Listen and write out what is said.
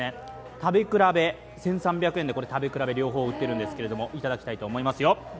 食べ比べ、１３００円で両方売ってるんですけど、いただきたいと思います